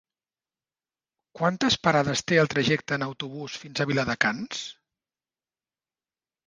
Quantes parades té el trajecte en autobús fins a Viladecans?